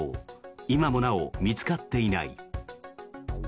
今もなお見つかっていない。